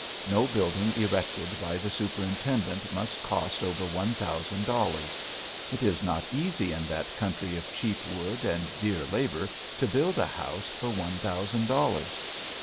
No building erected by the superintendent must cost over one thousand dollars. It is not easy in that country of cheap wood and dear labor to build a house for one thousand dollars.